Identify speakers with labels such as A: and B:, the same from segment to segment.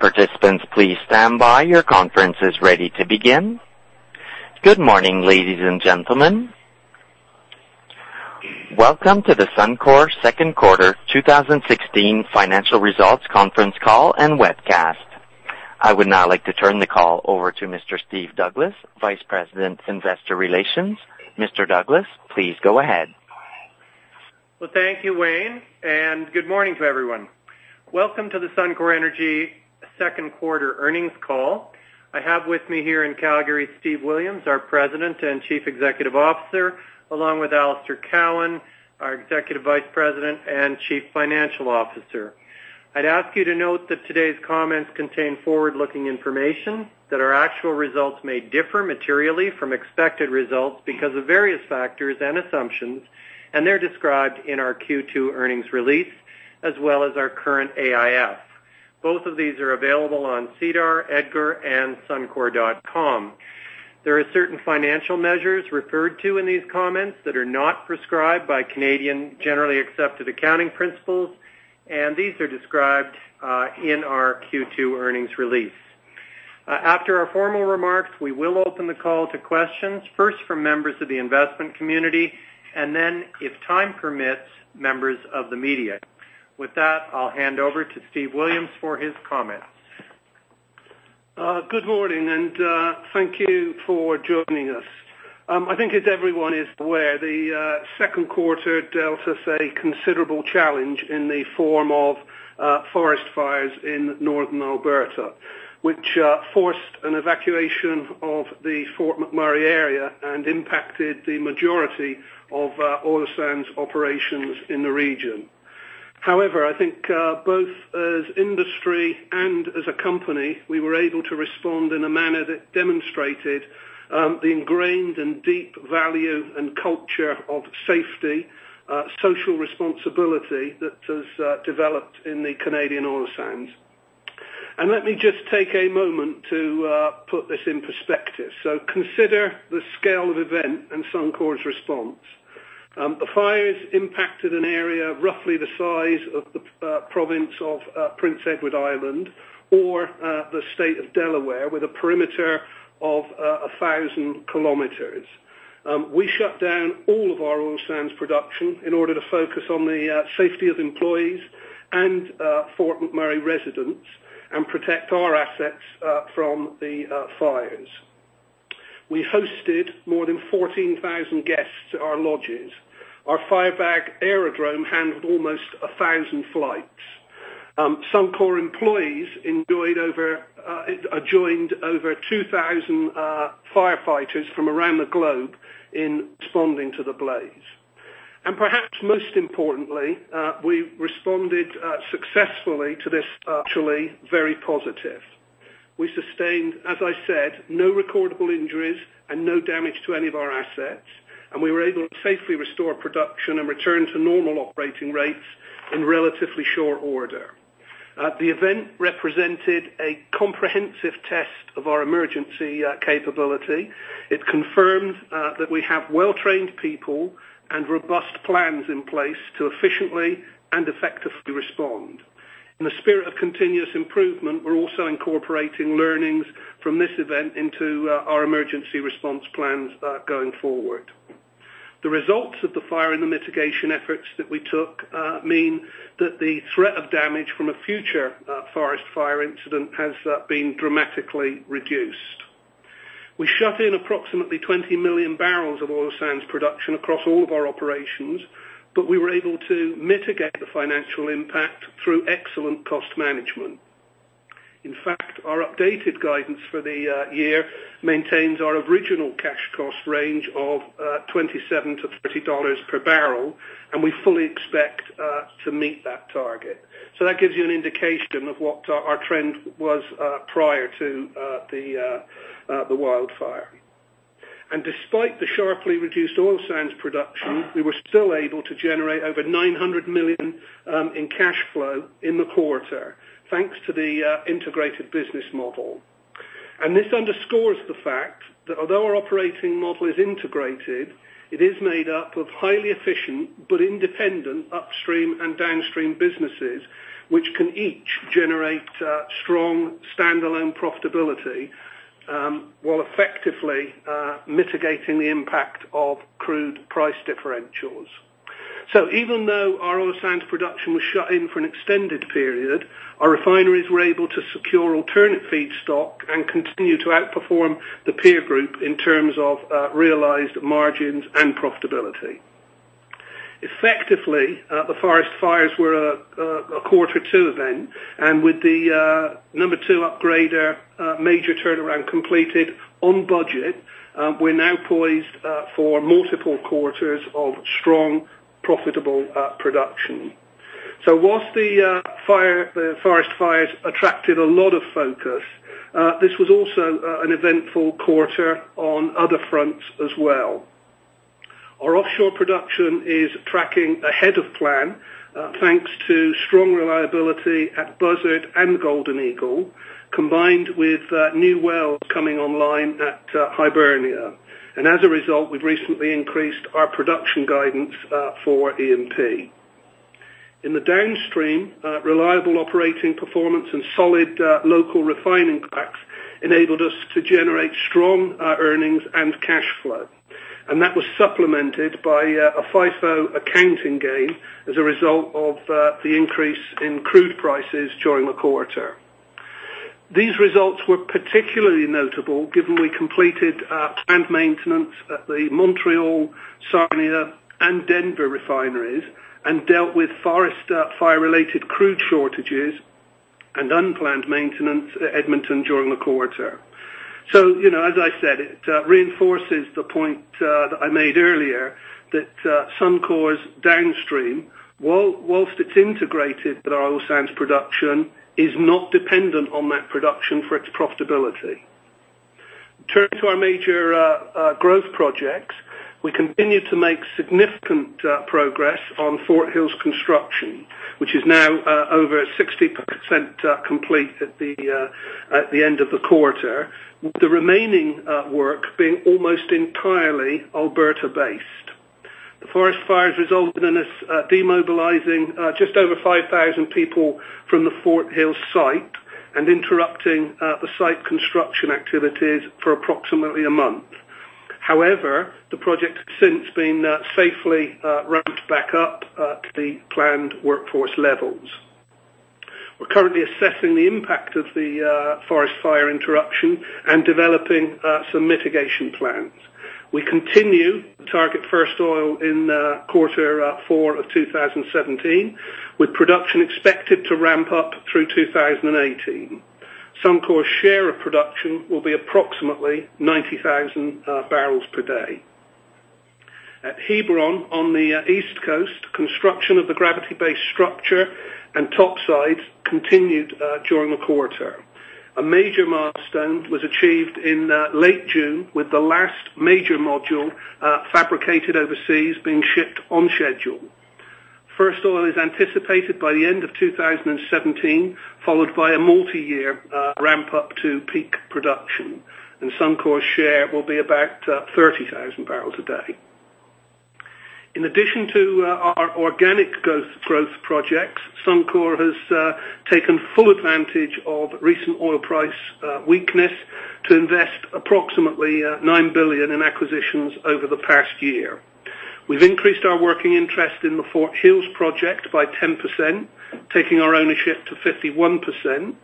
A: All participants, please stand by. Your conference is ready to begin. Good morning, ladies and gentlemen. Welcome to the Suncor Second Quarter 2016 Financial Results Conference Call and Webcast. I would now like to turn the call over to Mr. Steve Douglas, Vice President, Investor Relations. Mr. Douglas, please go ahead.
B: Thank you, Wayne, and good morning to everyone. Welcome to the Suncor Energy Second Quarter Earnings Call. I have with me here in Calgary, Steve Williams, our President and Chief Executive Officer, along with Alister Cowan, our Executive Vice President and Chief Financial Officer. I'd ask you to note that today's comments contain forward-looking information, that our actual results may differ materially from expected results because of various factors and assumptions, and they're described in our Q2 earnings release, as well as our current AIF. Both of these are available on SEDAR, EDGAR, and suncor.com. There are certain financial measures referred to in these comments that are not prescribed by Canadian Generally Accepted Accounting Principles, and these are described in our Q2 earnings release. After our formal remarks, we will open the call to questions, first from members of the investment community, and then, if time permits, members of the media. With that, I'll hand over to Steve Williams for his comments.
C: Good morning. Thank you for joining us. I think as everyone is aware, the second quarter dealt us a considerable challenge in the form of forest fires in Northern Alberta, which forced an evacuation of the Fort McMurray area and impacted the majority of oil sands operations in the region. I think both as industry and as a company, we were able to respond in a manner that demonstrated the ingrained and deep value and culture of safety, social responsibility that has developed in the Canadian oil sands. Let me just take a moment to put this in perspective. Consider the scale of event and Suncor's response. The fires impacted an area roughly the size of the province of Prince Edward Island or the state of Delaware with a perimeter of 1,000 kilometers. We shut down all of our oil sands production in order to focus on the safety of employees and Fort McMurray residents and protect our assets from the fires. We hosted more than 14,000 guests to our lodges. Our Firebag aerodrome handled almost 1,000 flights. Suncor employees joined over 2,000 firefighters from around the globe in responding to the blaze. Perhaps most importantly, we responded successfully to this actually very positive. We sustained, as I said, no recordable injuries and no damage to any of our assets, and we were able to safely restore production and return to normal operating rates in relatively short order. The event represented a comprehensive test of our emergency capability. It confirmed that we have well-trained people and robust plans in place to efficiently and effectively respond. In the spirit of continuous improvement, we're also incorporating learnings from this event into our emergency response plans going forward. The results of the fire and the mitigation efforts that we took mean that the threat of damage from a future forest fire incident has been dramatically reduced. We shut in approximately 20 million barrels of oil sands production across all of our operations. We were able to mitigate the financial impact through excellent cost management. In fact, our updated guidance for the year maintains our original cash cost range of 27-30 dollars per barrel. We fully expect to meet that target. That gives you an indication of what our trend was prior to the wildfire. Despite the sharply reduced oil sands production, we were still able to generate over 900 million in cash flow in the quarter, thanks to the integrated business model. This underscores the fact that although our operating model is integrated, it is made up of highly efficient but independent upstream and downstream businesses, which can each generate strong standalone profitability, while effectively mitigating the impact of crude price differentials. Even though our oil sands production was shut in for an extended period, our refineries were able to secure alternate feedstock and continue to outperform the peer group in terms of realized margins and profitability. Effectively, the forest fires were a quarter two event. With the number 2 upgrader major turnaround completed on budget, we're now poised for multiple quarters of strong, profitable production. Whilst the forest fires attracted a lot of focus, this was also an eventful quarter on other fronts as well. Our offshore production is tracking ahead of plan, thanks to strong reliability at Buzzard and Golden Eagle combined with new wells coming online at Hibernia. As a result, we've recently increased our production guidance for E&P. In the downstream, reliable operating performance and solid local refining cracks enabled us to generate strong earnings and cash flow. That was supplemented by a FIFO accounting gain as a result of the increase in crude prices during the quarter. These results were particularly notable given we completed planned maintenance at the Montreal, Sarnia, and Denver refineries, and dealt with forest fire-related crude shortages and unplanned maintenance at Edmonton during the quarter. As I said, it reinforces the point that I made earlier that Suncor's downstream, whilst it's integrated with our oil sands production, is not dependent on that production for its profitability. Turning to our major growth projects, we continue to make significant progress on Fort Hills construction, which is now over 60% complete at the end of the quarter, with the remaining work being almost entirely Alberta-based. The forest fires resulted in us demobilizing just over 5,000 people from the Fort Hills site and interrupting the site construction activities for approximately a month. The project has since been safely ramped back up to the planned workforce levels. We're currently assessing the impact of the forest fire interruption and developing some mitigation plans. We continue to target first oil in quarter four of 2017, with production expected to ramp up through 2018. Suncor's share of production will be approximately 90,000 barrels per day. At Hebron on the East Coast, construction of the gravity-based structure and topside continued during the quarter. A major milestone was achieved in late June with the last major module fabricated overseas being shipped on schedule. First oil is anticipated by the end of 2017, followed by a multi-year ramp-up to peak production. Suncor's share will be about 30,000 barrels a day. In addition to our organic growth projects, Suncor has taken full advantage of recent oil price weakness to invest approximately 9 billion in acquisitions over the past year. We've increased our working interest in the Fort Hills project by 10%, taking our ownership to 51%.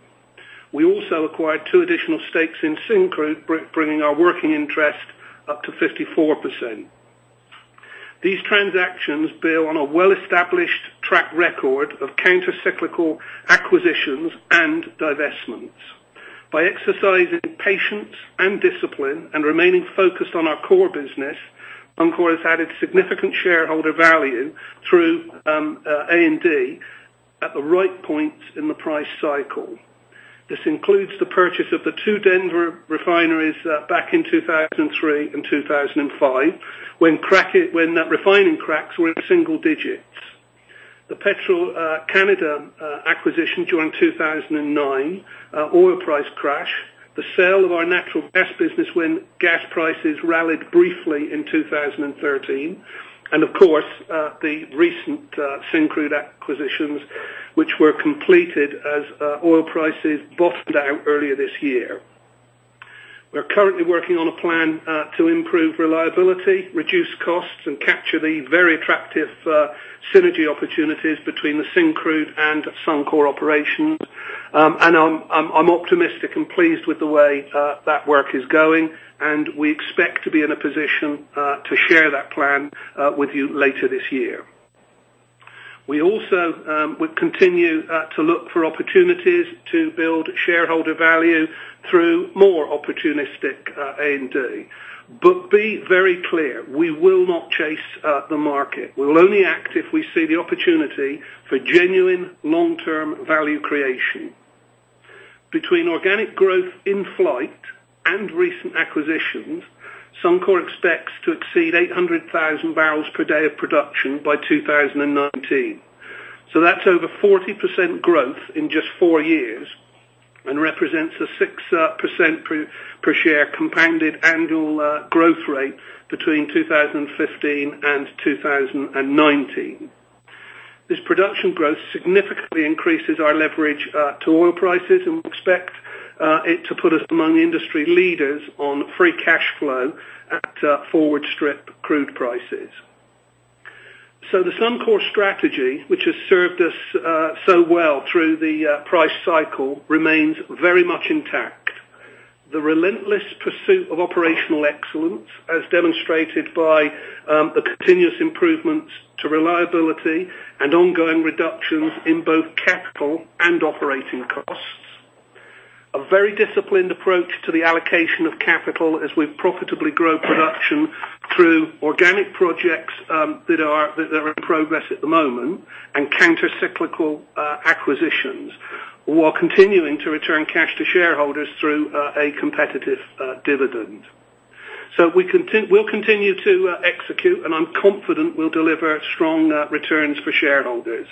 C: We also acquired two additional stakes in Syncrude, bringing our working interest up to 54%. These transactions build on a well-established track record of countercyclical acquisitions and divestments. By exercising patience and discipline and remaining focused on our core business, Suncor has added significant shareholder value through M&A at the right points in the price cycle. This includes the purchase of the two Denver refineries back in 2003 and 2005, when refining cracks were in single digits. The Petro-Canada acquisition during 2009 oil price crash, the sale of our natural gas business when gas prices rallied briefly in 2013, and of course, the recent Syncrude acquisitions, which were completed as oil prices bottomed out earlier this year. We are currently working on a plan to improve reliability, reduce costs, and capture the very attractive synergy opportunities between the Syncrude and Suncor operations. I'm optimistic and pleased with the way that work is going, and we expect to be in a position to share that plan with you later this year. We also will continue to look for opportunities to build shareholder value through more opportunistic M&A. Be very clear, we will not chase the market. We'll only act if we see the opportunity for genuine long-term value creation. Between organic growth in flight and recent acquisitions, Suncor expects to exceed 800,000 barrels per day of production by 2019. That's over 40% growth in just four years and represents a 6% per share compounded annual growth rate between 2015 and 2019. This production growth significantly increases our leverage to oil prices, and we expect it to put us among industry leaders on free cash flow at forward strip crude prices. The Suncor strategy, which has served us so well through the price cycle, remains very much intact. The relentless pursuit of operational excellence, as demonstrated by the continuous improvements to reliability and ongoing reductions in both capital and operating costs. A very disciplined approach to the allocation of capital as we profitably grow production through organic projects that are in progress at the moment and countercyclical acquisitions, while continuing to return cash to shareholders through a competitive dividend.
B: We'll continue to execute, and I'm confident we'll deliver strong returns for shareholders.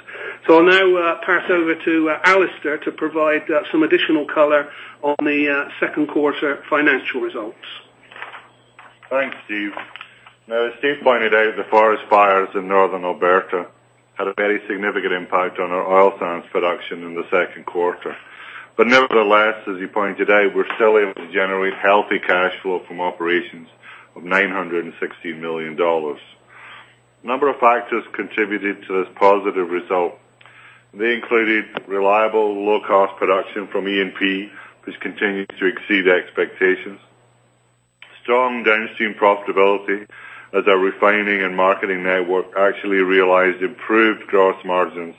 B: I'll now pass over to Alister to provide some additional color on the second quarter financial results.
D: Thanks, Steve. As Steve pointed out, the forest fires in Northern Alberta had a very significant impact on our oil sands production in the second quarter. Nevertheless, as you pointed out, we're still able to generate healthy cash flow from operations of 916 million dollars. A number of factors contributed to this positive result. They included reliable low-cost production from E&P, which continues to exceed expectations, strong downstream profitability as our refining and marketing network actually realized improved gross margins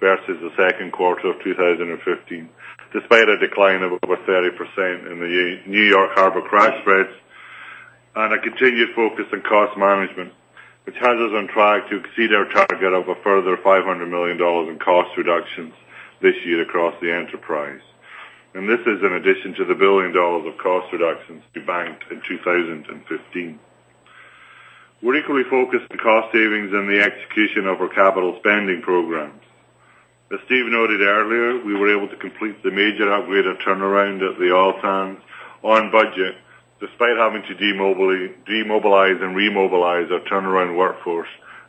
D: versus the second quarter of 2015, despite a decline of over 30% in the New York Harbor crack spreads, a continued focus on cost management, which has us on track to exceed our target of a further 500 million dollars in cost reductions this year across the enterprise. This is in addition to the 1 billion dollars of cost reductions we banked in 2015. We're equally focused on cost savings and the execution of our capital spending programs. As Steve noted earlier, we were able to complete the major upgrade of turnaround at the oil sands on budget, despite having to demobilize and remobilize our turnaround workforce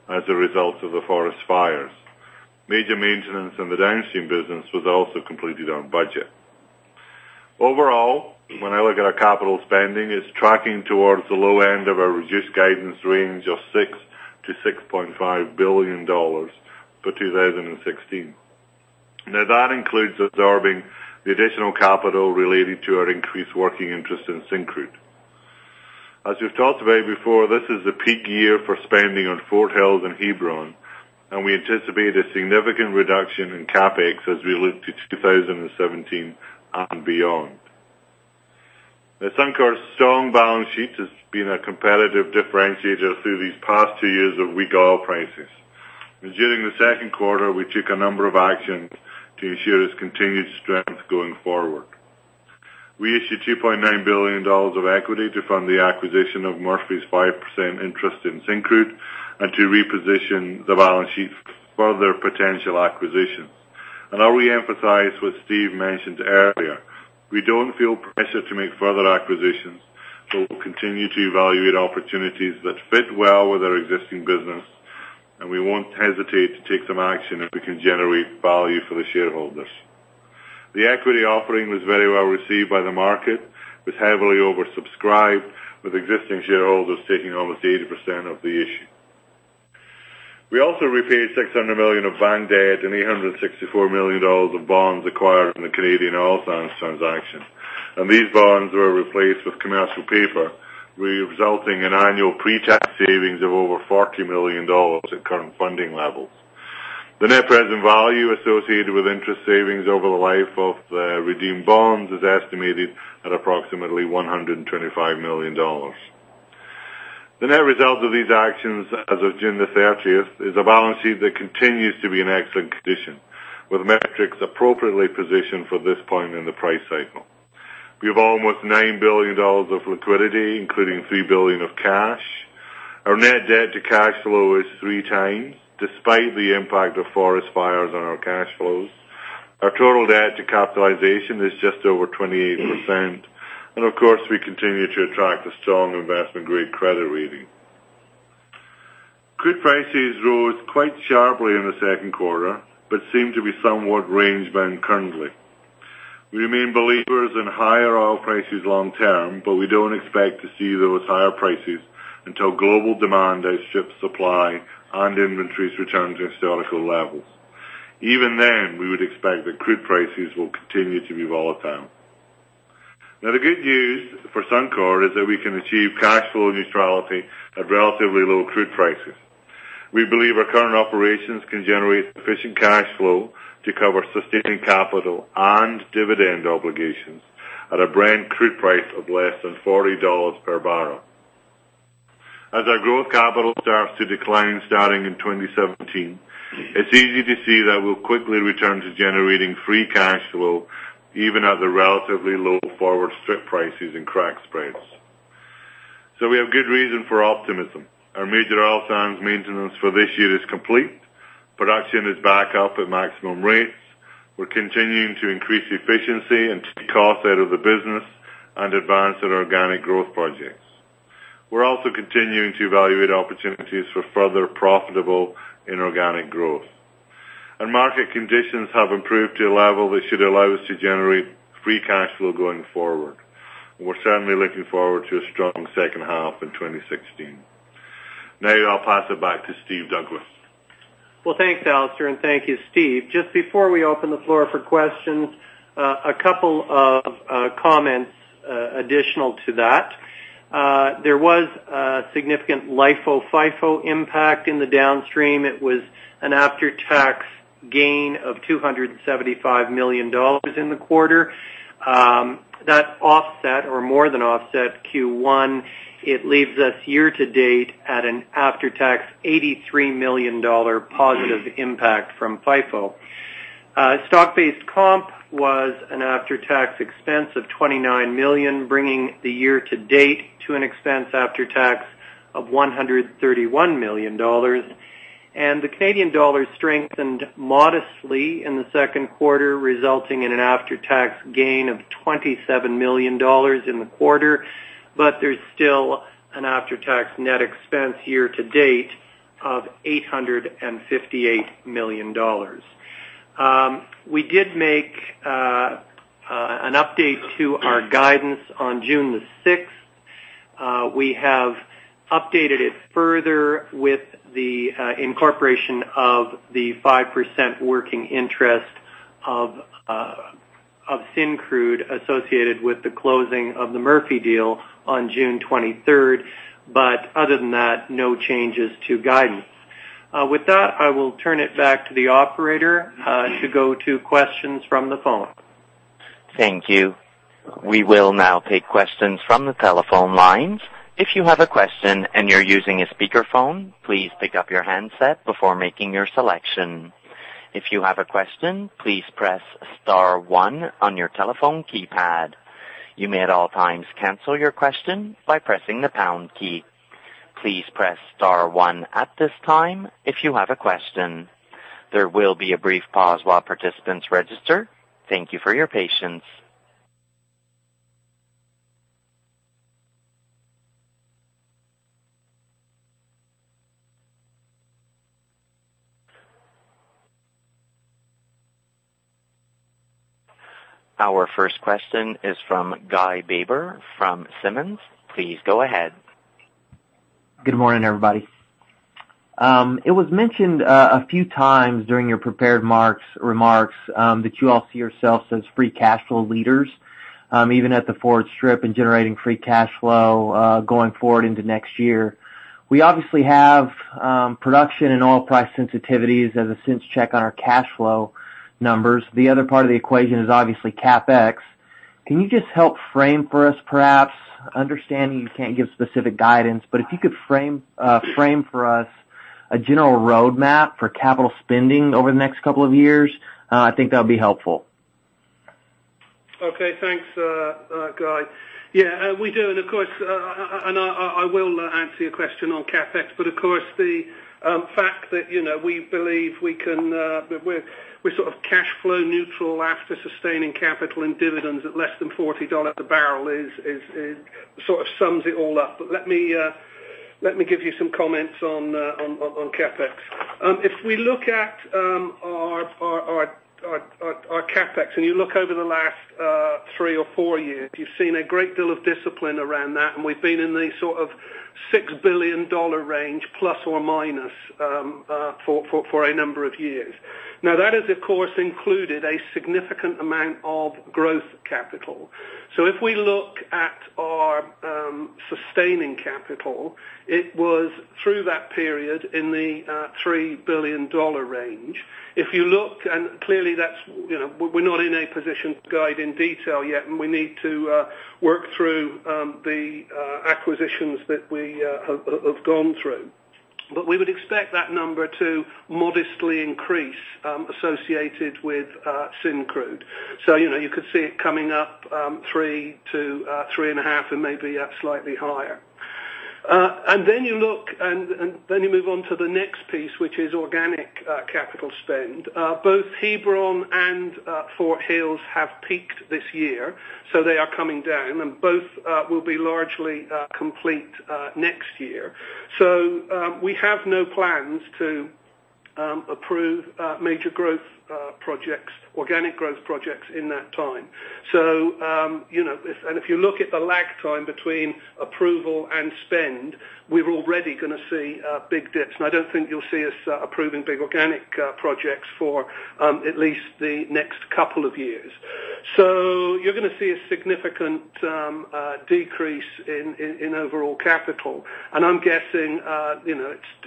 D: as a result of the forest fires. Major maintenance in the downstream business was also completed on budget. Overall, when I look at our capital spending, it's tracking towards the low end of our reduced guidance range of 6 billion-6.5 billion dollars for 2016. That includes absorbing the additional capital related to our increased working interest in Syncrude. As we've talked about before, this is the peak year for spending on Fort Hills and Hebron, we anticipate a significant reduction in CapEx as we look to 2017 and beyond. Suncor's strong balance sheet has been a competitive differentiator through these past two years of weak oil prices. During the second quarter, we took a number of actions to ensure its continued strength going forward. We issued 2.9 billion dollars of equity to fund the acquisition of Murphy's 5% interest in Syncrude and to reposition the balance sheet for other potential acquisitions. I'll reemphasize what Steve mentioned earlier. We don't feel pressure to make further acquisitions, but we'll continue to evaluate opportunities that fit well with our existing business, and we won't hesitate to take some action if we can generate value for the shareholders. The equity offering was very well received by the market. It was heavily oversubscribed, with existing shareholders taking almost 80% of the issue. We also repaid 600 million of bank debt and 864 million dollars of bonds acquired in the Canadian Oil Sands transaction. These bonds were replaced with commercial paper, resulting in annual pre-tax savings of over 40 million dollars at current funding levels. The net present value associated with interest savings over the life of the redeemed bonds is estimated at approximately 125 million dollars. The net result of these actions as of June 30th is a balance sheet that continues to be in excellent condition, with metrics appropriately positioned for this point in the price cycle. We have almost 9 billion dollars of liquidity, including 3 billion of cash. Our net debt to cash flow is three times, despite the impact of forest fires on our cash flows. Our total debt to capitalization is just over 28%. Of course, we continue to attract a strong investment-grade credit rating. Crude prices rose quite sharply in the second quarter but seem to be somewhat range-bound currently. We remain believers in higher oil prices long term, but we don't expect to see those higher prices until global demand outstrips supply and inventories return to historical levels. Even then, we would expect that crude prices will continue to be volatile. The good news for Suncor is that we can achieve cash flow neutrality at relatively low crude prices. We believe our current operations can generate sufficient cash flow to cover sustaining capital and dividend obligations at a Brent crude price of less than $40 per barrel. As our growth capital starts to decline starting in 2017, it's easy to see that we'll quickly return to generating free cash flow, even at the relatively low forward strip prices and crack spreads. We have good reason for optimism. Our major oil sands maintenance for this year is complete. Production is back up at maximum rates. We're continuing to increase efficiency and take cost out of the business and advance our organic growth projects. We're also continuing to evaluate opportunities for further profitable inorganic growth. Market conditions have improved to a level that should allow us to generate free cash flow going forward. We're certainly looking forward to a strong second half in 2016. I'll pass it back to Steve Douglas.
B: Thanks, Alister, and thank you, Steve. Just before we open the floor for questions, a couple of comments additional to that. There was a significant LIFO FIFO impact in the downstream. It was an after-tax gain of 275 million dollars in the quarter. That offset or more than offset Q1. It leaves us year to date at an after-tax 83 million dollar positive impact from FIFO. Stock-based comp was an after-tax expense of 29 million, bringing the year-to-date to an expense after-tax of 131 million dollars. The Canadian dollar strengthened modestly in the second quarter, resulting in an after-tax gain of 27 million dollars in the quarter. There's still an after-tax net expense year-to-date of 858 million dollars. We did make an update to our guidance on June 6th. We have updated it further with the incorporation of the 5% working interest of Syncrude associated with the closing of the Murphy deal on June 23rd. Other than that, no changes to guidance. With that, I will turn it back to the operator to go to questions from the phone.
A: Thank you. We will now take questions from the telephone lines. If you have a question and you're using a speakerphone, please pick up your handset before making your selection. If you have a question, please press star one on your telephone keypad. You may, at all times, cancel your question by pressing the pound key. Please press star one at this time if you have a question. There will be a brief pause while participants register. Thank you for your patience. Our first question is from Guy Baber from Simmons. Please go ahead.
E: Good morning, everybody. It was mentioned a few times during your prepared remarks that you all see yourselves as free cash flow leaders, even at the forward strip and generating free cash flow, going forward into next year. We obviously have production and oil price sensitivities as a sense check on our cash flow numbers. The other part of the equation is obviously CapEx. Can you just help frame for us perhaps, understanding you can't give specific guidance, but if you could frame for us a general roadmap for capital spending over the next couple of years, I think that would be helpful.
C: Okay. Thanks, Guy. Yeah, we do. Of course, I will answer your question on CapEx, but of course, the fact that we believe we're sort of cash flow neutral after sustaining capital and dividends at less than $40 a barrel sort of sums it all up. Let me give you some comments on CapEx. If we look at our CapEx, and you look over the last three or four years, you've seen a great deal of discipline around that, and we've been in the sort of 6 billion dollar range, plus or minus, for a number of years. That has, of course, included a significant amount of growth capital. If we look at our sustaining capital, it was through that period in the 3 billion dollar range. If you look, clearly we're not in a position to guide in detail yet, we need to work through the acquisitions that we have gone through. We would expect that number to modestly increase associated with Syncrude. You could see it coming up three to three and a half and maybe slightly higher. Then you move on to the next piece, which is organic capital spend. Both Hebron and Fort Hills have peaked this year, they are coming down, both will be largely complete next year. We have no plans to approve major organic growth projects in that time. If you look at the lag time between approval and spend, we're already going to see big dips. I don't think you'll see us approving big organic projects for at least the next couple of years. You're going to see a significant decrease in overall capital. I'm guessing,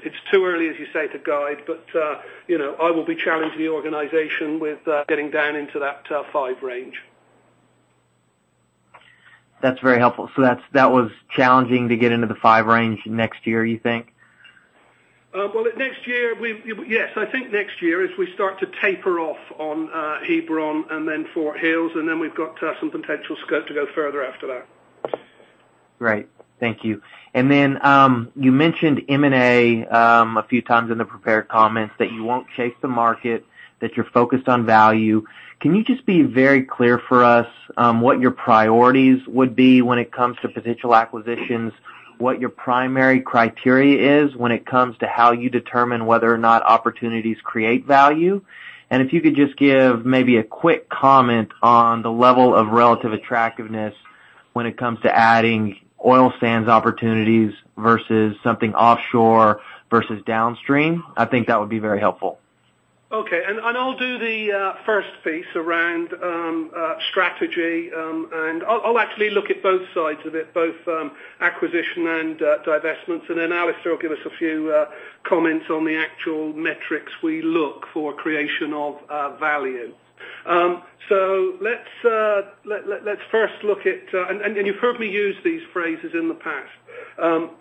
C: it's too early, as you say, to guide, but I will be challenging the organization with getting down into that five range.
E: That's very helpful. That was challenging to get into the five range next year, you think?
C: Well, next year, yes. I think next year, as we start to taper off on Hebron and then Fort Hills, and then we've got some potential scope to go further after that.
E: Great. Thank you. Then, you mentioned M&A a few times in the prepared comments that you won't chase the market, that you're focused on value. Can you just be very clear for us what your priorities would be when it comes to potential acquisitions, what your primary criteria is when it comes to how you determine whether or not opportunities create value? If you could just give maybe a quick comment on the level of relative attractiveness when it comes to adding oil sands opportunities versus something offshore versus downstream. I think that would be very helpful.
C: Okay. I'll do the first piece around strategy. I'll actually look at both sides of it, both acquisition and divestments. Alister will give us a few comments on the actual metrics we look for creation of value. Let's first look at. You've heard me use these phrases in the past.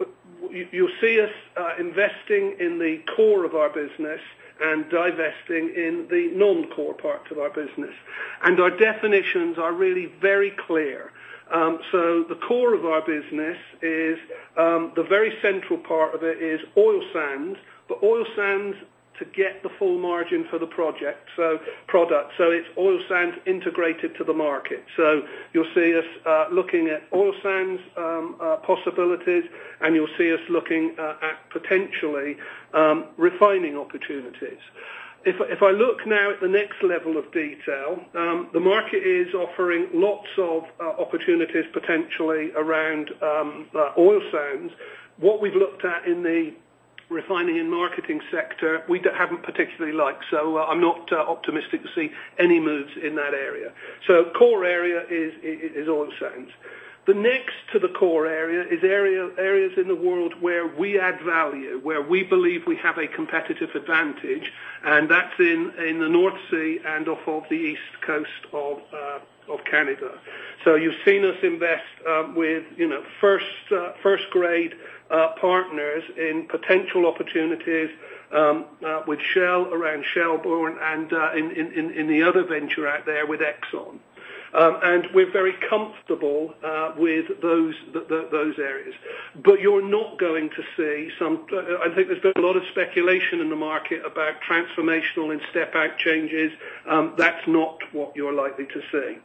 C: You'll see us investing in the core of our business and divesting in the non-core parts of our business. Our definitions are really very clear. The core of our business is, the very central part of it is oil sands. Oil sands to get the full margin for the product. It's oil sands integrated to the market. You'll see us looking at oil sands possibilities, and you'll see us looking at potentially refining opportunities. If I look now at the next level of detail, the market is offering lots of opportunities potentially around oil sands. What we've looked at in the refining and marketing sector, we haven't particularly liked. I'm not optimistic to see any moves in that area. Core area is oil sands. The next to the core area is areas in the world where we add value, where we believe we have a competitive advantage, and that's in the North Sea and off of the East Coast of Canada. You've seen us invest with first-grade partners in potential opportunities with Shell around Scotford and in the other venture out there with Exxon. We're very comfortable with those areas. I think there's been a lot of speculation in the market about transformational and step-out changes. That's not what you're likely to see.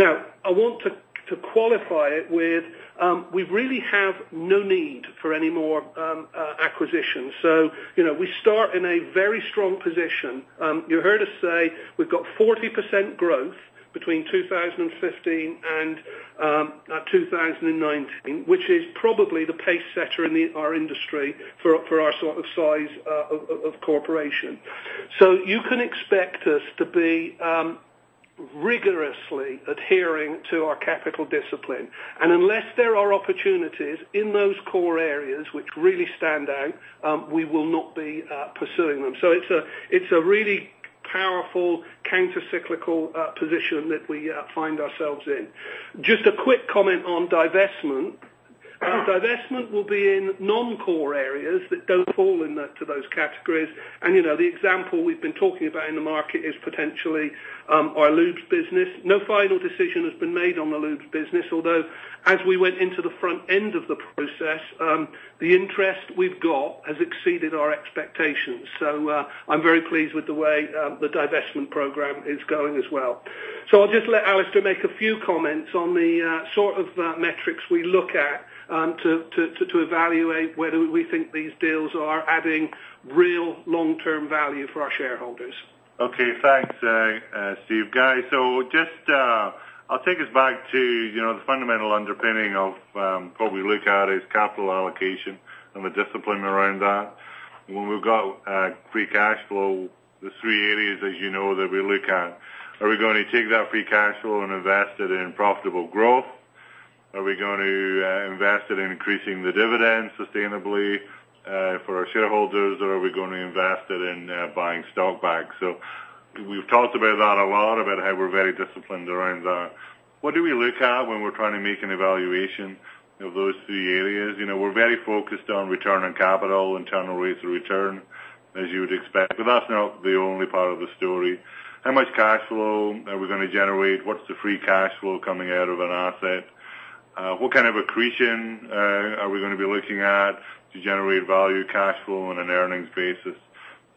C: I want to qualify it with, we really have no need for any more acquisitions. We start in a very strong position. You heard us say we've got 40% growth between 2015 and 2019, which is probably the pace setter in our industry for our size of corporation. You can expect us to be rigorously adhering to our capital discipline. Unless there are opportunities in those core areas which really stand out, we will not be pursuing them. It's a really powerful counter-cyclical position that we find ourselves in. Just a quick comment on divestment. Divestment will be in non-core areas that don't fall into those categories. The example we've been talking about in the market is potentially our lubes business. No final decision has been made on the lubes business, although as we went into the front end of the process, the interest we've got has exceeded our expectations. I'm very pleased with the way the divestment program is going as well. I'll just let Alister make a few comments on the sort of metrics we look at to evaluate whether we think these deals are adding real long-term value for our shareholders.
D: Okay. Thanks, Steve. Guys, just I'll take us back to the fundamental underpinning of what we look at is capital allocation and the discipline around that. When we've got free cash flow, the three areas that you know that we look at. Are we going to take that free cash flow and invest it in profitable growth? Are we going to invest it in increasing the dividend sustainably for our shareholders? Or are we going to invest it in buying stock back? We've talked about that a lot, about how we're very disciplined around that. What do we look at when we're trying to make an evaluation of those three areas? We're very focused on return on capital, internal rates of return, as you would expect. That's not the only part of the story. How much cash flow are we going to generate? What's the free cash flow coming out of an asset? What kind of accretion are we going to be looking at to generate value cash flow on an earnings basis?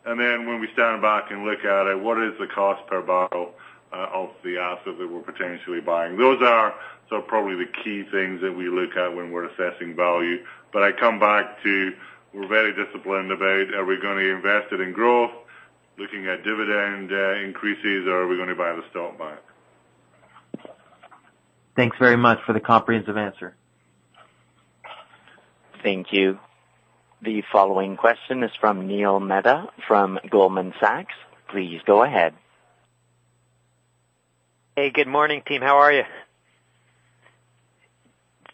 D: When we stand back and look at it, what is the cost per barrel of the asset that we're potentially buying? Those are sort of probably the key things that we look at when we're assessing value. I come back to, we're very disciplined about, are we going to invest it in growth, looking at dividend increases, or are we going to buy the stock back?
E: Thanks very much for the comprehensive answer.
A: Thank you. The following question is from Neil Mehta from Goldman Sachs. Please go ahead.
F: Hey, good morning, team. How are you?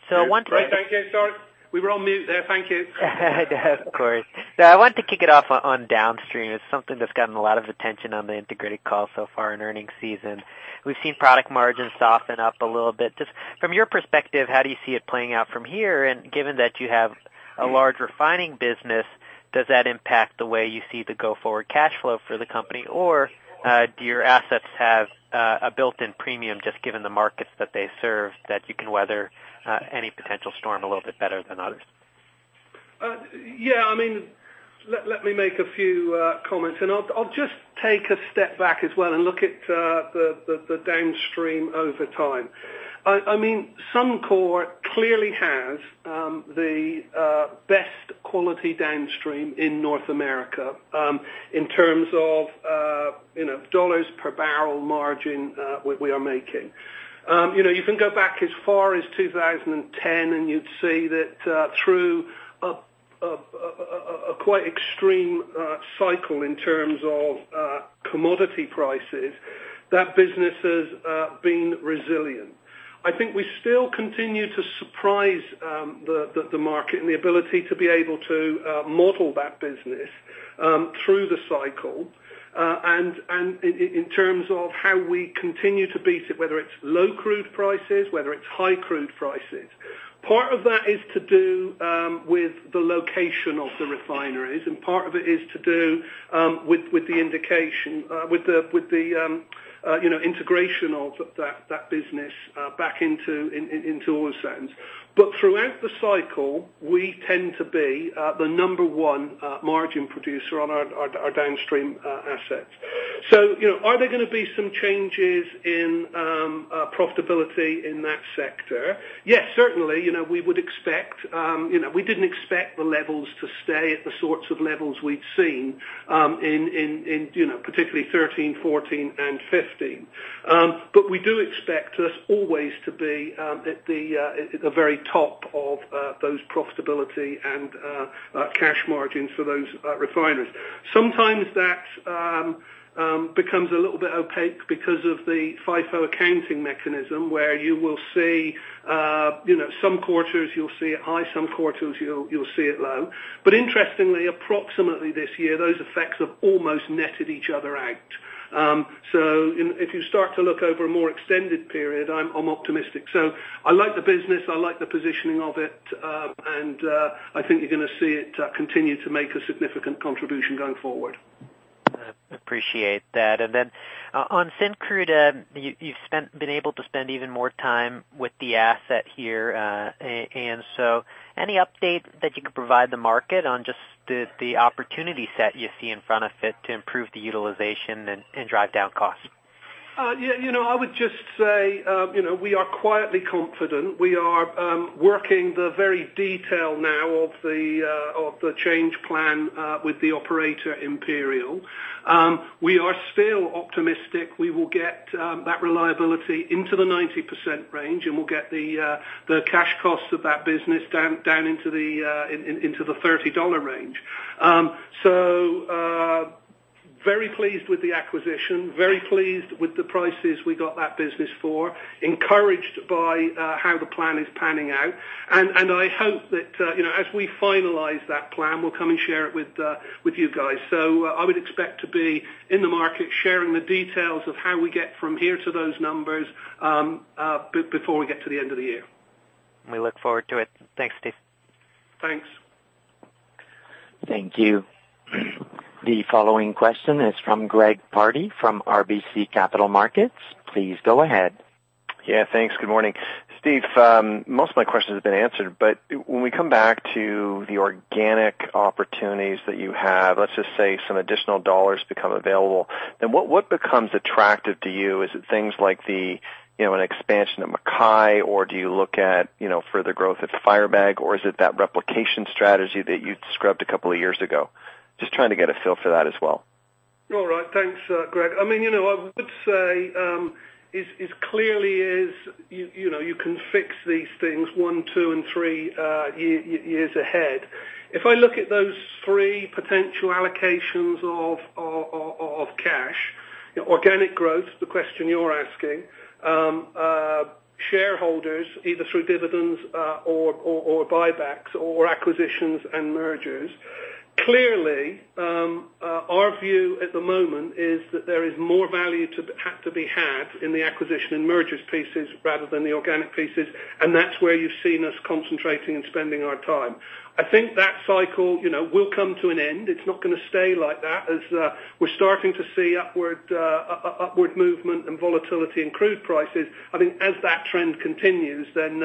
C: Great. Thank you. Sorry. We were on mute there. Thank you.
F: Of course. I want to kick it off on downstream. It's something that's gotten a lot of attention on the integrated call so far in earnings season. We've seen product margins soften up a little bit. Just from your perspective, how do you see it playing out from here? Given that you have a large refining business, does that impact the way you see the go-forward cash flow for the company? Or do your assets have a built-in premium just given the markets that they serve that you can weather any potential storm a little bit better than others?
C: Let me make a few comments. I'll just take a step back as well and look at the downstream over time. Suncor clearly has the best quality downstream in North America in terms of CAD per barrel margin we are making. You can go back as far as 2010 and you'd see that through a quite extreme cycle in terms of commodity prices, that business has been resilient. I think we still continue to surprise the market and the ability to be able to model that business through the cycle. In terms of how we continue to beat it, whether it's low crude prices, whether it's high crude prices. Part of that is to do with the location of the refineries, and part of it is to do with the integration of that business back into Oil Sands. Throughout the cycle, we tend to be the number one margin producer on our downstream assets. Are there going to be some changes in profitability in that sector? Yes, certainly. We didn't expect the levels to stay at the sorts of levels we'd seen in particularly 2013, 2014, and 2015. We do expect us always to be at the very top of those profitability and cash margins for those refiners. Sometimes that becomes a little bit opaque because of the FIFO accounting mechanism, where you will see some quarters you'll see it high, some quarters you'll see it low. Interestingly, approximately this year, those effects have almost netted each other out. If you start to look over a more extended period, I'm optimistic. I like the business, I like the positioning of it. I think you're going to see it continue to make a significant contribution going forward.
F: Appreciate that. On Syncrude, you've been able to spend even more time with the asset here. Any update that you could provide the market on just the opportunity set you see in front of it to improve the utilization and drive down costs?
C: Yeah. I would just say, we are quietly confident. We are working the very detail now of the change plan with the operator, Imperial. We are still optimistic we will get that reliability into the 90% range, and we'll get the cash costs of that business down into the 30 dollar range. Very pleased with the acquisition. Very pleased with the prices we got that business for. Encouraged by how the plan is panning out. I hope that as we finalize that plan, we'll come and share it with you guys. I would expect to be in the market, sharing the details of how we get from here to those numbers before we get to the end of the year.
F: We look forward to it. Thanks, Steve.
C: Thanks.
A: Thank you. The following question is from Greg Pardy from RBC Capital Markets. Please go ahead.
G: Yeah, thanks. Good morning. Steve, most of my questions have been answered. When we come back to the organic opportunities that you have, let's just say some additional dollars become available. Then what becomes attractive to you? Is it things like an expansion of MacKay River, or do you look at further growth at Firebag? Or is it that replication strategy that you described a couple of years ago? Just trying to get a feel for that as well.
C: All right. Thanks, Greg. I would say, it clearly is you can fix these things one, two, and three years ahead. If I look at those three potential allocations of cash, organic growth, the question you're asking. Shareholders, either through dividends or buybacks or acquisitions and mergers. Clearly, our view at the moment is that there is more value to be had in the acquisition and mergers pieces rather than the organic pieces, that's where you've seen us concentrating and spending our time. I think that cycle will come to an end. It's not going to stay like that as we're starting to see upward movement and volatility in crude prices. I think as that trend continues, some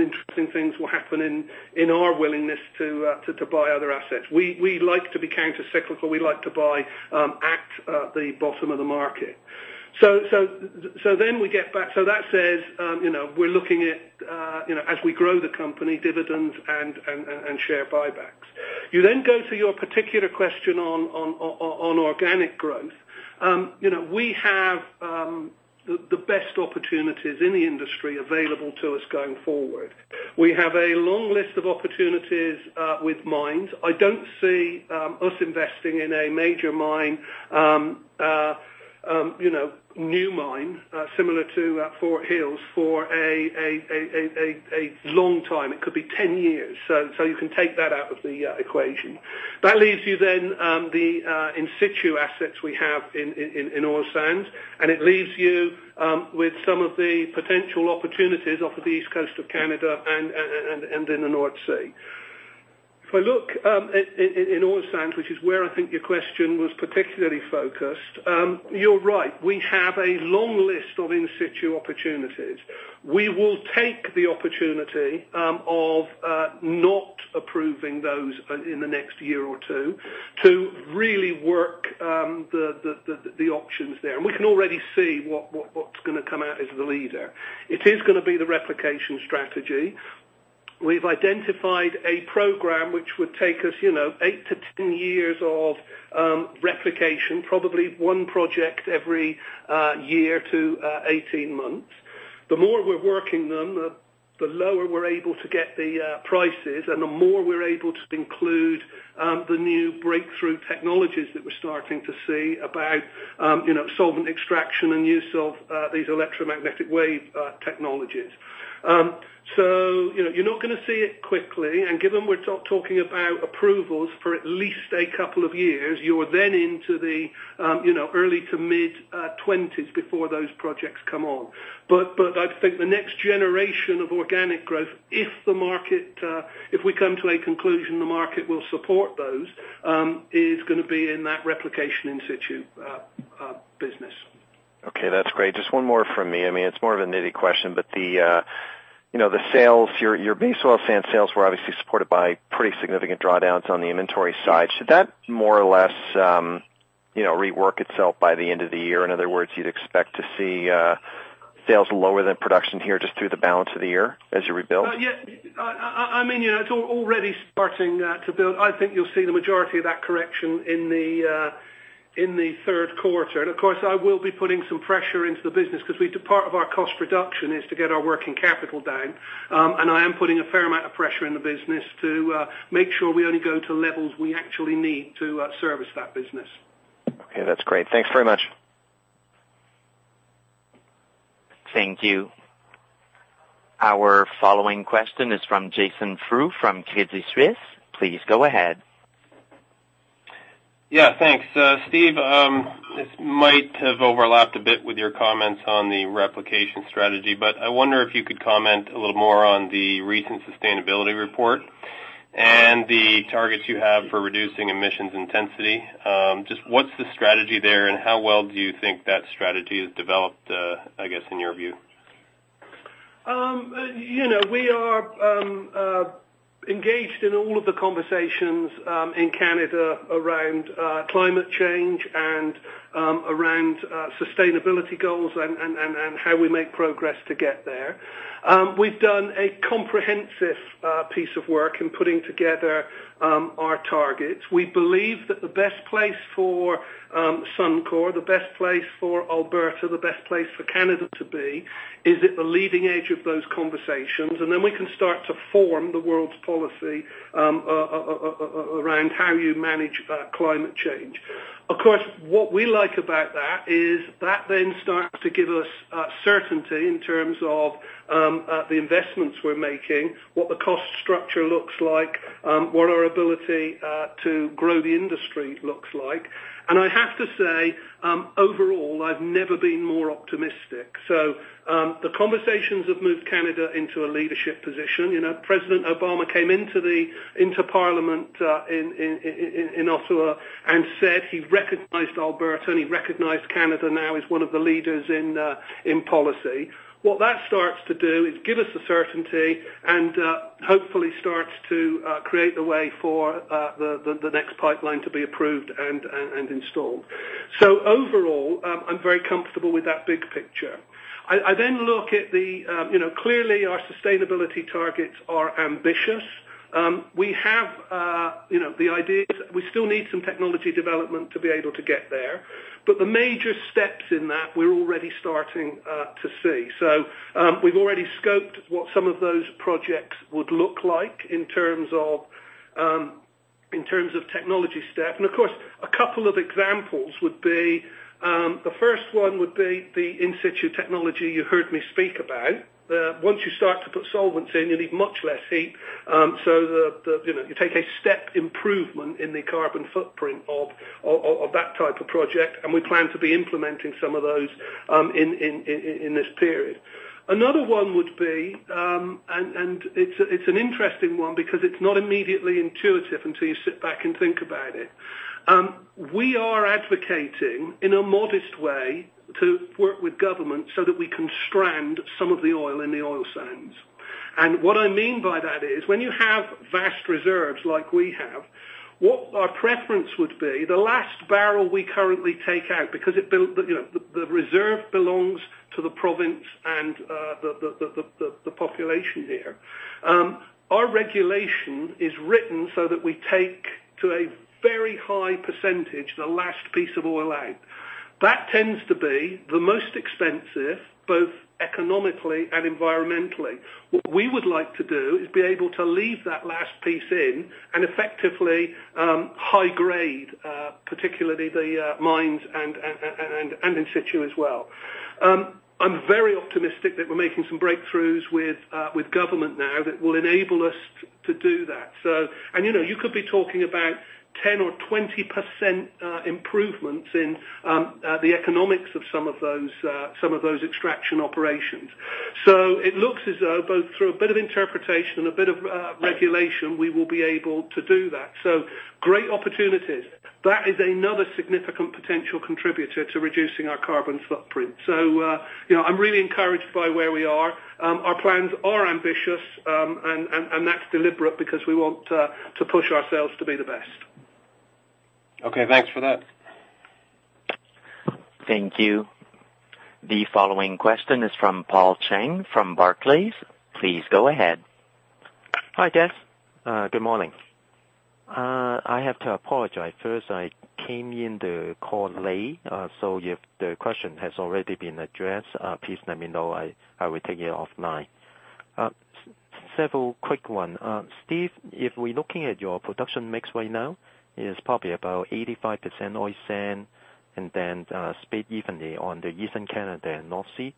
C: interesting things will happen in our willingness to buy other assets. We like to be counter-cyclical. We like to buy at the bottom of the market. That says we're looking at as we grow the company, dividends and share buybacks. You go to your particular question on organic growth. We have the best opportunities in the industry available to us going forward. We have a long list of opportunities with mines. I don't see us investing in a major mine, new mine, similar to Fort Hills for a long time. It could be 10 years. You can take that out of the equation. That leaves you the in situ assets we have in oil sands, and it leaves you with some of the potential opportunities off of the East Coast of Canada and in the North Sea. If I look in oil sands, which is where I think your question was particularly focused. You're right. We have a long list of in situ opportunities. We will take the opportunity of not approving those in the next year or two to really work the options there. We can already see what's going to come out as the leader. It is going to be the replication strategy. We've identified a program which would take us eight to 10 years of replication, probably one project every year to 18 months. The more we're working them, the lower we're able to get the prices and the more we're able to include the new breakthrough technologies that we're starting to see about solvent extraction and use of these electromagnetic wave technologies. You're not going to see it quickly, and given we're talking about approvals for at least a couple of years, you are then into the early to mid-'20s before those projects come on. I think the next generation of organic growth, if we come to a conclusion the market will support those, is going to be in that replication in situ business.
G: Okay, that's great. Just one more from me. It's more of a nitty question, but your base oil sand sales were obviously supported by pretty significant drawdowns on the inventory side. Should that more or less rework itself by the end of the year? In other words, you'd expect to see sales lower than production here just through the balance of the year as you rebuild?
C: Yeah. It's already starting to build. I think you'll see the majority of that correction in the third quarter. Of course, I will be putting some pressure into the business because part of our cost reduction is to get our working capital down. I am putting a fair amount of pressure in the business to make sure we only go to levels we actually need to service that business.
G: Okay. That's great. Thanks very much.
A: Thank you. Our following question is from Jason Frew from Credit Suisse. Please go ahead.
H: Yeah. Thanks. Steve, this might have overlapped a bit with your comments on the replication strategy, I wonder if you could comment a little more on the recent sustainability report and the targets you have for reducing emissions intensity. What's the strategy there and how well do you think that strategy has developed, I guess, in your view?
C: We are engaged in all of the conversations in Canada around climate change and around sustainability goals and how we make progress to get there. We've done a comprehensive piece of work in putting together our targets. We believe that the best place for Suncor, the best place for Alberta, the best place for Canada to be, is at the leading edge of those conversations. Then we can start to form the world's policy around how you manage climate change. Of course, what we like about that is that then starts to give us certainty in terms of the investments we're making, what the cost structure looks like, what our ability to grow the industry looks like. I have to say, overall, I've never been more optimistic. The conversations have moved Canada into a leadership position. President Obama came into Parliament in Ottawa and said he recognized Alberta and he recognized Canada now as one of the leaders in policy. What that starts to do is give us the certainty and hopefully starts to create the way for the next pipeline to be approved and installed. Overall, I'm very comfortable with that big picture. Clearly, our sustainability targets are ambitious. The idea is we still need some technology development to be able to get there, the major steps in that we're already starting to see. We've already scoped what some of those projects would look like in terms of technology staff. Of course, a couple of examples would be, the first one would be the in situ technology you heard me speak about. Once you start to put solvents in, you need much less heat. You take a step improvement in the carbon footprint of that type of project, we plan to be implementing some of those in this period. It's an interesting one because it's not immediately intuitive until you sit back and think about it. We are advocating in a modest way to work with government so that we can strand some of the oil in the oil sands. What I mean by that is, when you have vast reserves like we have, what our preference would be, the last barrel we currently take out because the reserve belongs to the province and the population here. Our regulation is written so that we take to a very high % the last piece of oil out. That tends to be the most expensive, both economically and environmentally. What we would like to do is be able to leave that last piece in and effectively high grade, particularly the mines and in situ as well. I'm very optimistic that we're making some breakthroughs with government now that will enable us to do that. You could be talking about 10% or 20% improvements in the economics of some of those extraction operations. It looks as though both through a bit of interpretation and a bit of regulation, we will be able to do that. Great opportunities. That is another significant potential contributor to reducing our carbon footprint. I'm really encouraged by where we are. Our plans are ambitious, and that's deliberate because we want to push ourselves to be the best.
H: Okay, thanks for that.
A: Thank you. The following question is from Paul Cheng from Barclays. Please go ahead.
I: Hi, gents. Good morning. I have to apologize first. I came into the call late, so if the question has already been addressed, please let me know. I will take it offline. Several quick one. Steve, if we're looking at your production mix right now, it is probably about 85% oil sands, and then spread evenly on the Eastern Canada and North Sea.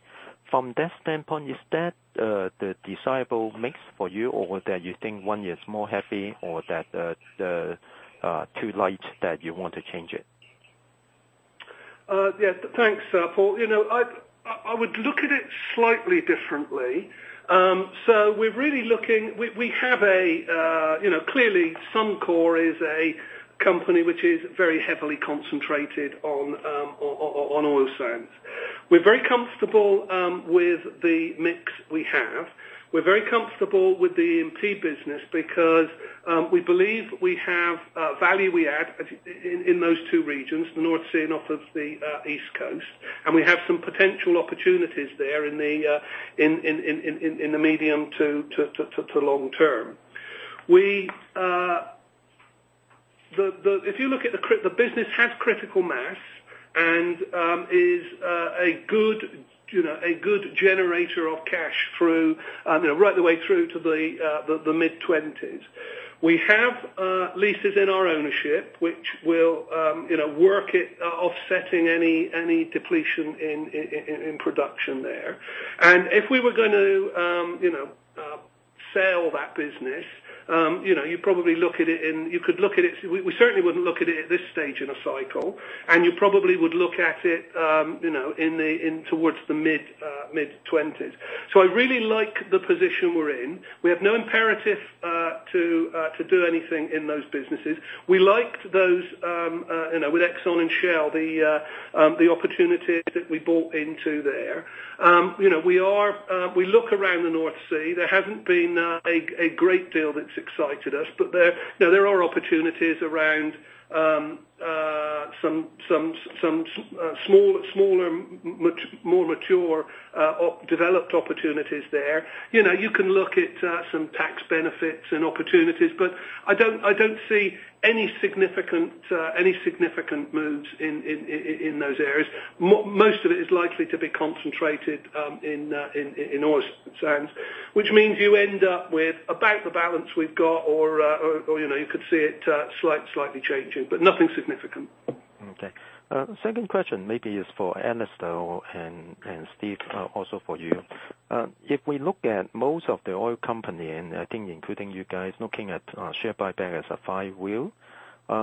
I: From that standpoint, is that the desirable mix for you, or that you think one is more heavy or that the two light that you want to change it?
C: Yes. Thanks, Paul. I would look at it slightly differently. Clearly, Suncor is a company which is very heavily concentrated on oil sands. We're very comfortable with the mix we have. We're very comfortable with the E&P business because we believe we have value we add in those two regions, the North Sea and off of the East Coast, and we have some potential opportunities there in the medium to long-term. If you look at the business, has critical mass, and is a good generator of cash right the way through to the mid-20s. We have leases in our ownership which will work at offsetting any depletion in production there. If we were going to sell that business, we certainly wouldn't look at it at this stage in a cycle, and you probably would look at it towards the mid-20s. I really like the position we're in. We have no imperative to do anything in those businesses. We liked those with Exxon and Shell, the opportunities that we bought into there. We look around the North Sea. There hasn't been a great deal that's excited us. There are opportunities around some smaller, more mature developed opportunities there. You can look at some tax benefits and opportunities, but I don't see any significant moves in those areas. Most of it is likely to be concentrated in oil sands, which means you end up with about the balance we've got or you could see it slightly changing, but nothing significant.
I: Okay. Second question maybe is for Alister, and Steve, also for you. If we look at most of the oil company, and I think including you guys, looking at share buyback as a [five-year]. We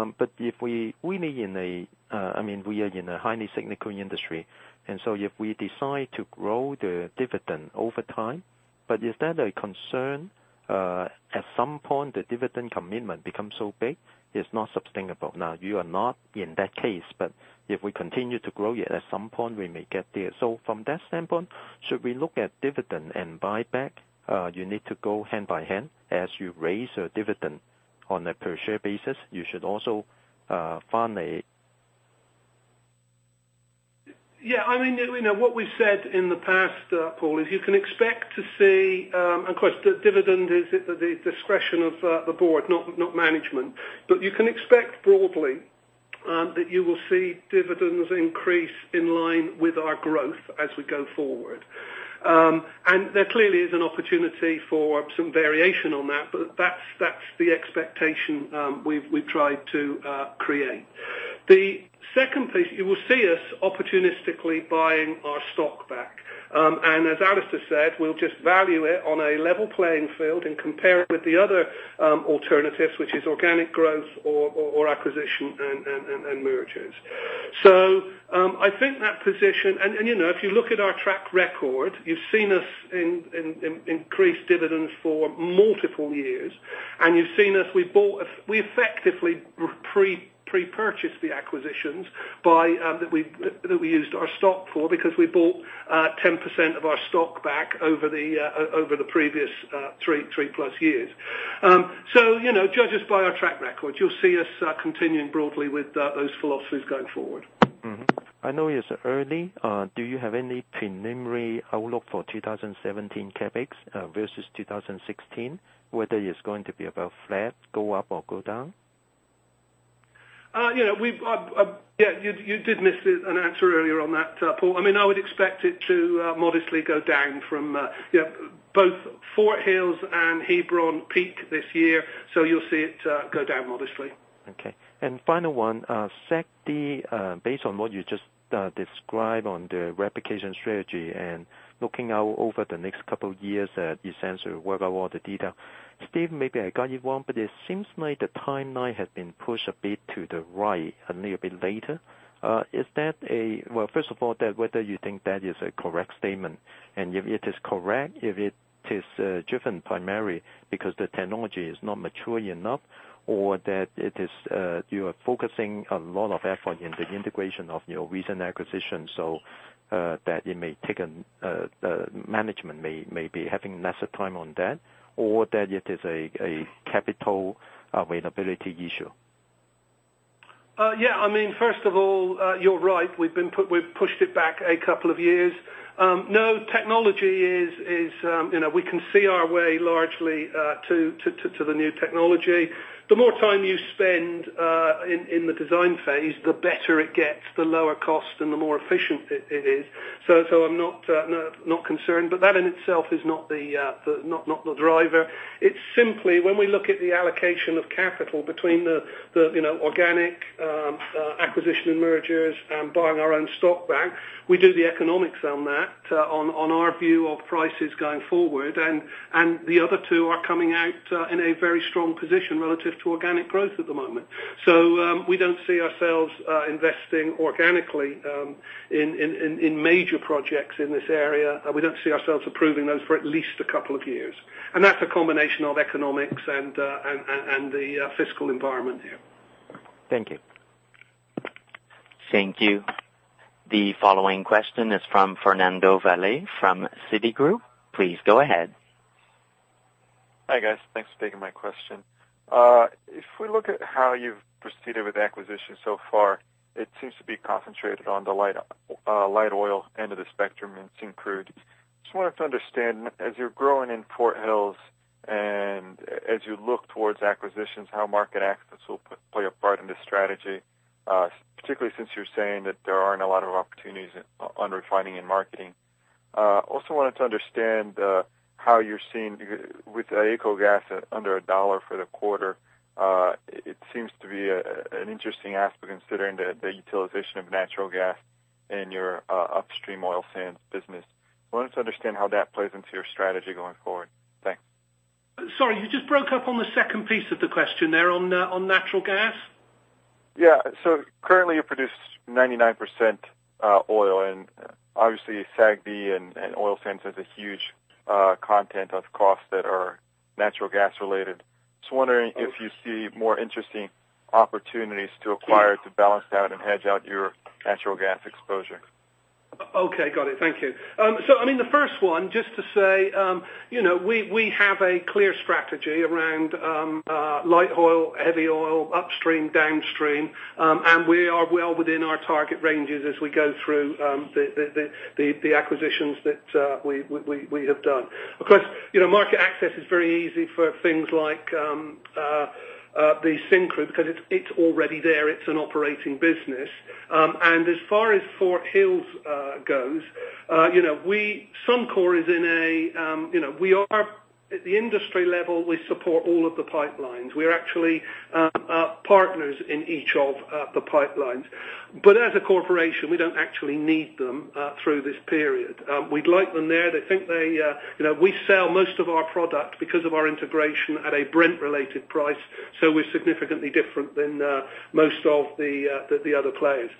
I: are in a highly cyclical industry. If we decide to grow the dividend over time, but is that a concern, at some point, the dividend commitment becomes so big, it's not sustainable. Now, you are not in that case. If we continue to grow it, at some point, we may get there. From that standpoint, should we look at dividend and buyback? You need to go hand by hand as you raise a dividend on a per share basis. You should also find a
C: Yeah. What we've said in the past, Paul Cheng, is you can expect to see— of course, the dividend is at the discretion of the board, not management. You can expect broadly that you will see dividends increase in line with our growth as we go forward. There clearly is an opportunity for some variation on that, but that's the expectation we've tried to create. The second piece, you will see us opportunistically buying our stock back. As Alister Cowan said, we'll just value it on a level playing field and compare it with the other alternatives, which is organic growth or acquisition and mergers. I think that position— if you look at our track record, you've seen us increase dividends for multiple years, and you've seen us, we effectively pre-purchase the acquisitions that we used our stock for because we bought 10% of our stock back over the previous three plus years. Judge us by our track record. You'll see us continuing broadly with those philosophies going forward.
I: Mm-hmm. I know it's early. Do you have any preliminary outlook for 2017 CapEx versus 2016, whether it's going to be about flat, go up, or go down?
C: You did miss an answer earlier on that, Paul Cheng. I would expect it to modestly go down from both Fort Hills and Hebron peak this year, you'll see it go down modestly.
I: Final one. Steve, based on what you just described on the replication strategy and looking out over the next couple of years at in situ, work out all the data. Steve, maybe I got you wrong, but it seems like the timeline has been pushed a bit to the right, a little bit later. First of all, whether you think that is a correct statement, and if it is correct, if it is driven primarily because the technology is not mature enough or that you are focusing a lot of effort in the integration of your recent acquisition so that management may be having lesser time on that, or that it is a capital availability issue?
C: First of all, you're right. We've pushed it back a couple of years. We can see our way largely to the new technology. The more time you spend in the design phase, the better it gets, the lower cost, and the more efficient it is. I'm not concerned, but that in itself is not the driver. It's simply when we look at the allocation of capital between the organic acquisition and mergers and buying our own stock back, we do the economics on that, on our view of prices going forward. The other two are coming out in a very strong position relative to organic growth at the moment. We don't see ourselves investing organically in major projects in this area. We don't see ourselves approving those for at least a couple of years. That's a combination of economics and the fiscal environment here.
I: Thank you.
A: Thank you. The following question is from Fernando Valle from Citigroup. Please go ahead.
J: Hi, guys. Thanks for taking my question. If we look at how you've proceeded with acquisitions so far, it seems to be concentrated on the light oil end of the spectrum in Syncrude. Just wanted to understand, as you're growing in Fort Hills, and as you look towards acquisitions, how market access will play a part in this strategy, particularly since you're saying that there aren't a lot of opportunities on refining and marketing. Also wanted to understand how you're seeing with AECO Gas under CAD 1 for the quarter. It seems to be an interesting aspect considering the utilization of natural gas in your upstream oil sands business. Wanted to understand how that plays into your strategy going forward. Thanks.
C: Sorry, you just broke up on the second piece of the question there on natural gas.
J: Yeah. Currently you produce 99% oil and obviously SAGD and oil sands has a huge content of costs that are natural gas-related. Just wondering if you see more interesting opportunities to acquire, to balance out and hedge out your natural gas exposure.
C: Okay, got it. Thank you. The first one, just to say, we have a clear strategy around light oil, heavy oil, upstream, downstream. We are well within our target ranges as we go through the acquisitions that we have done. Of course, market access is very easy for things like the Syncrude because it's already there. It's an operating business. As far as Fort Hills goes, at the industry level, we support all of the pipelines. We're actually partners in each of the pipelines. As a corporation, we don't actually need them through this period. We'd like them there. We sell most of our product because of our integration at a Brent-related price, so we're significantly different than most of the other players.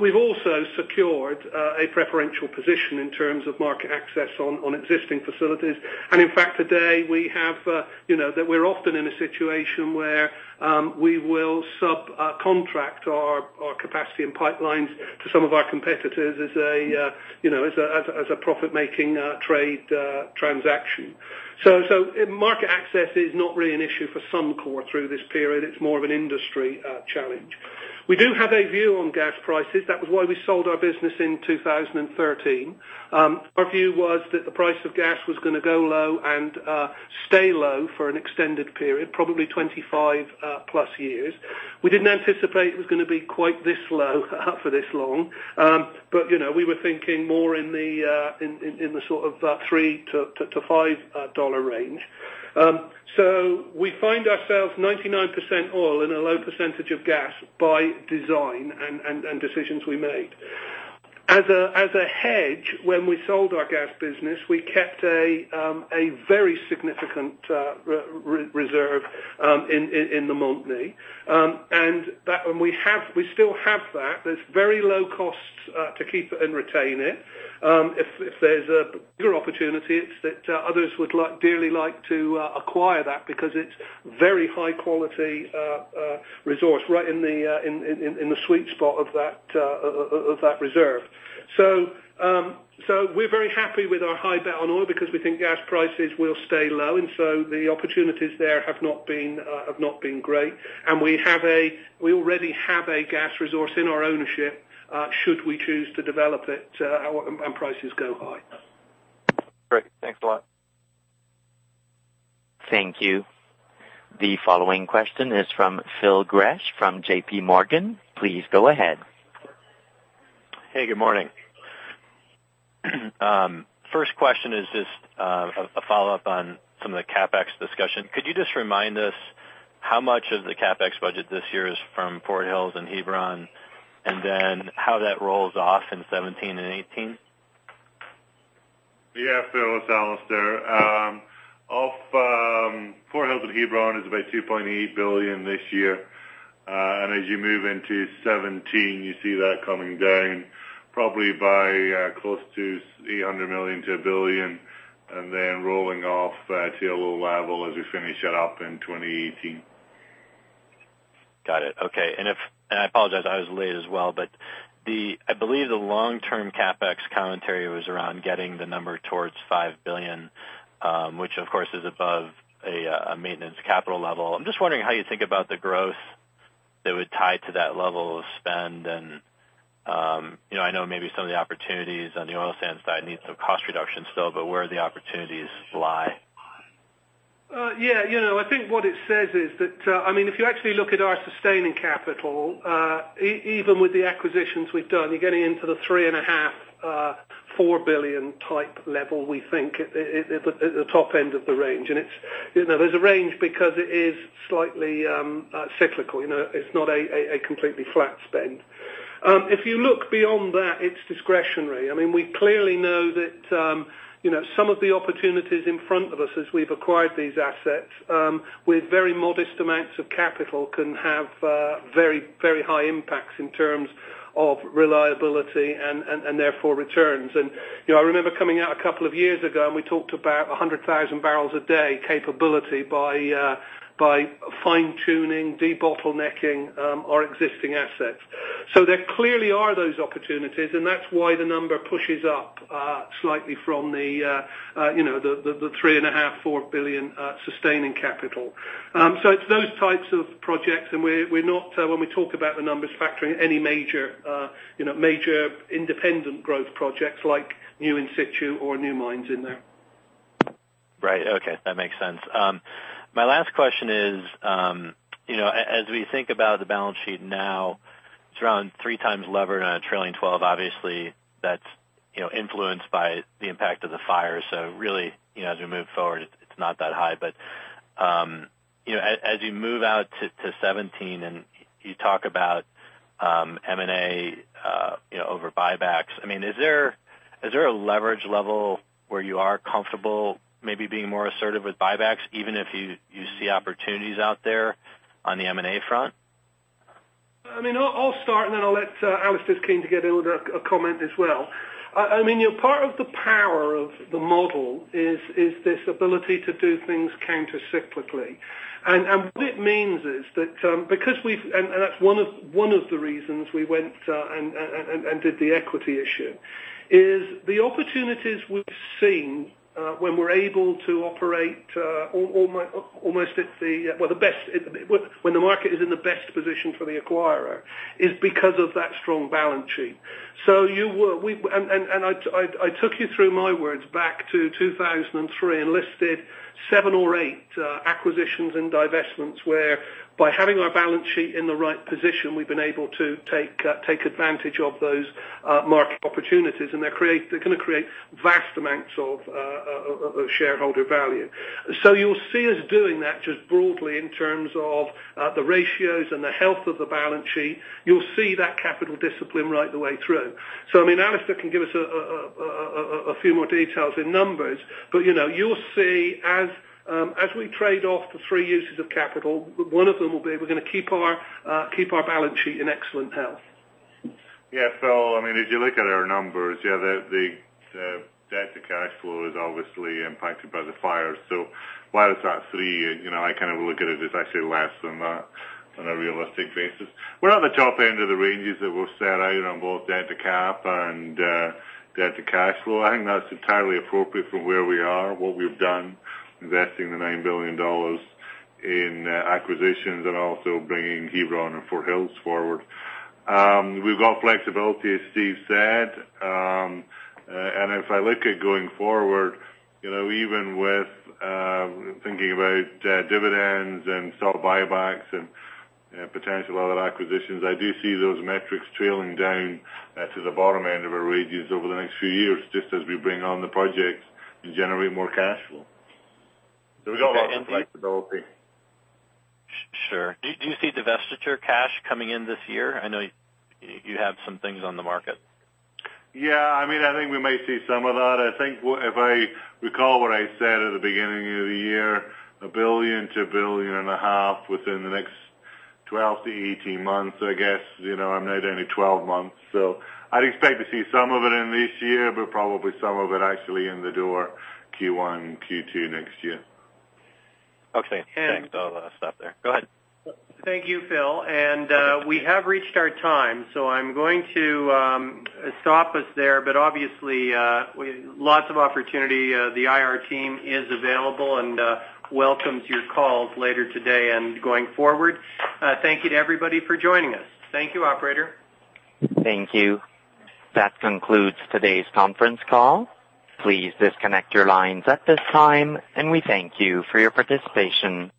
C: We've also secured a preferential position in terms of market access on existing facilities. In fact, today, we're often in a situation where we will subcontract our capacity and pipelines to some of our competitors as a profit-making trade transaction. Market access is not really an issue for Suncor through this period. It's more of an industry challenge. We do have a view on gas prices. That was why we sold our business in 2013. Our view was that the price of gas was going to go low and stay low for an extended period, probably 25+ years. We didn't anticipate it was going to be quite this low for this long. We were thinking more in the sort of $3 to $5 range. We find ourselves 99% oil and a low percentage of gas by design and decisions we made. As a hedge, when we sold our gas business, we kept a very significant reserve in the Montney. We still have that. There's very low costs to keep it and retain it. If there's a bigger opportunity, it's that others would dearly like to acquire that because it's very high-quality resource right in the sweet spot of that reserve. We're very happy with our high bet on oil because we think gas prices will stay low, the opportunities there have not been great. We already have a gas resource in our ownership should we choose to develop it and prices go high.
J: Great. Thanks a lot.
A: Thank you. The following question is from Phil Gresh from JP Morgan. Please go ahead.
K: Hey, good morning. First question is just a follow-up on some of the CapEx discussion. Could you just remind us how much of the CapEx budget this year is from Fort Hills and Hebron, and then how that rolls off in 2017 and 2018?
D: Yeah, Phil, it's Alister. Of Fort Hills and Hebron is about 2.8 billion this year. As you move into 2017, you see that coming down probably by close to 800 million to 1 billion, then rolling off to a low level as we finish it up in 2018.
K: Got it. Okay. I apologize, I was late as well, I believe the long-term CapEx commentary was around getting the number towards 5 billion. Which, of course, is above a maintenance capital level. I'm just wondering how you think about the growth that would tie to that level of spend. I know maybe some of the opportunities on the oil sands side need some cost reduction still, where the opportunities lie.
C: Yeah. I think what it says is that, if you actually look at our sustaining capital, even with the acquisitions we've done, you're getting into the 3.5 billion-4 billion type level, we think, at the top end of the range. There's a range because it is slightly cyclical. It's not a completely flat spend. If you look beyond that, it's discretionary. We clearly know that some of the opportunities in front of us as we've acquired these assets, with very modest amounts of capital can have very high impacts in terms of reliability and therefore returns. I remember coming out a couple of years ago, and we talked about 100,000 barrels a day capability by fine-tuning, debottlenecking our existing assets. There clearly are those opportunities, and that's why the number pushes up slightly from the 3.5 billion-4 billion sustaining capital. It's those types of projects, and we're not, when we talk about the numbers, factoring any major independent growth projects like new in situ or new mines in there.
K: Right. Okay. That makes sense. My last question is, as we think about the balance sheet now, it's around 3 times levered on a trailing 12. Obviously, that's influenced by the impact of the fire. Really, as we move forward, it's not that high. But as you move out to 2017 and you talk about M&A over buybacks, is there a leverage level where you are comfortable maybe being more assertive with buybacks, even if you see opportunities out there on the M&A front?
C: I'll start, and then I'll let Alister Cowan to get in with a comment as well. Part of the power of the model is this ability to do things countercyclically. What it means is that that's one of the reasons we went and did the equity issue. Is the opportunities we've seen when we're able to operate when the market is in the best position for the acquirer is because of that strong balance sheet. I took you through my words back to 2003 and listed seven or eight acquisitions and divestments where by having our balance sheet in the right position, we've been able to take advantage of those market opportunities. They're going to create vast amounts of shareholder value. You'll see us doing that just broadly in terms of the ratios and the health of the balance sheet. You'll see that capital discipline right the way through. Alister can give us a few more details in numbers, but you'll see as we trade off the three uses of capital, one of them will be we're going to keep our balance sheet in excellent health.
D: Yeah. Phil, if you look at our numbers, the debt to cash flow is obviously impacted by the fire. While it's at three, I look at it as actually less than that on a realistic basis. We're at the top end of the ranges that we've set out on both debt-to-cap and debt to cash flow. I think that's entirely appropriate for where we are, what we've done, investing the 9 billion dollars in acquisitions and also bringing Hebron and Fort Hills forward. We've got flexibility, as Steve said. If I look at going forward, even with thinking about dividends and stock buybacks and potential other acquisitions, I do see those metrics trailing down to the bottom end of our ranges over the next few years, just as we bring on the projects and generate more cash flow. We've got lots of flexibility.
K: Sure. Do you see divestiture cash coming in this year? I know you have some things on the market.
D: Yeah. I think we may see some of that. I think if I recall what I said at the beginning of the year, 1 billion to one and a half billion within the next 12 to 18 months. I guess, I'm not only 12 months, I'd expect to see some of it in this year, but probably some of it actually in the door Q1, Q2 next year.
K: Okay. Thanks. I'll stop there. Go ahead.
B: Thank you, Phil. We have reached our time, I'm going to stop us there. Obviously, lots of opportunity. The IR team is available and welcomes your calls later today and going forward. Thank you to everybody for joining us. Thank you, operator.
A: Thank you. That concludes today's conference call. Please disconnect your lines at this time, we thank you for your participation.